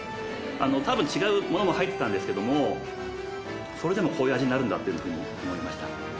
たぶん違うものも入ってたんですけどそれでもこういう味になるんだと思いました。